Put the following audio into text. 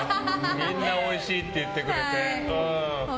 みんなおいしいって言ってくれて。